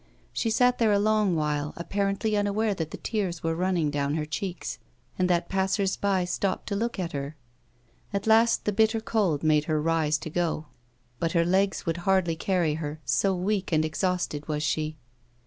She sat there a long while, apparently unaware that the tears were running down her cheeks, and that passers by stopped to looked at her. At last the bitter cold made her rise to go, but her legs would hardly carry her, so weak and exhausted was she.